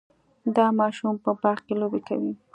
دا ماشوم په باغ کې لوبې کوي.